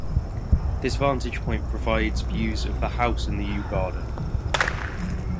This vantage point provides views of the house and the Yew Garden.